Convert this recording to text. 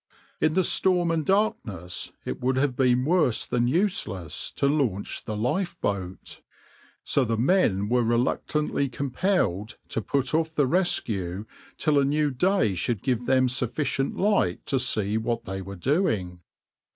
In the storm and darkness it would have been worse than useless to launch the lifeboat, so the men were reluctantly compelled to put off the rescue till a new day should give them sufficient light to see what they were doing.